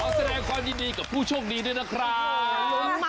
แสดงความยินดีกับผู้โชคดีด้วยนะครับ